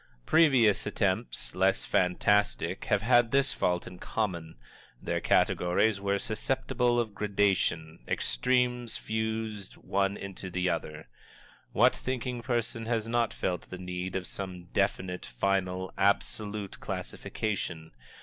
Previous attempts, less fantastic, have had this fault in common: their categories were susceptible of gradation extremes fused one into the other. What thinking person has not felt the need of some definite, final, absolute classification?